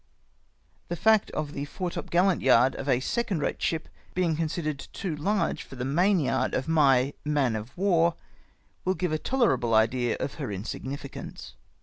The fact of the foretopgallant yard of a second rate ship being considered too large for the mainyard of my " man of war " will give a tolerable idea of her insignificance.